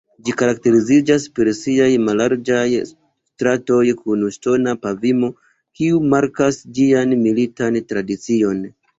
Ĝi karakteriziĝas per siaj mallarĝaj stratoj kun ŝtona pavimo, kiuj markas ĝian militan tradicion.